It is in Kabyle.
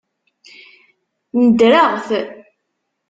Nedreɣ-t.